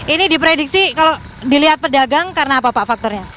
ini diprediksi kalau dilihat pedagang karena apa pak faktornya